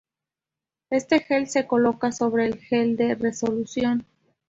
Este gel se coloca sobre el gel de resolución.